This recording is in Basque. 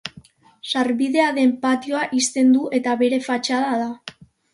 Sarbidea den patioa ixten du eta bere fatxada da.